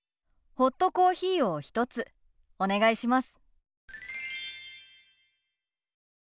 ホットコーヒーを１つお願いします。